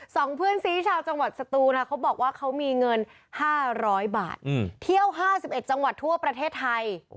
สองเพื่อนซีชาวจังหวัดสตูนเขาบอกว่าเขามีเงิน๕๐๐บาทเที่ยว๕๑จังหวัดทั่วประเทศไทย